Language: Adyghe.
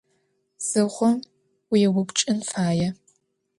Zıgom vuêupç'ın faê.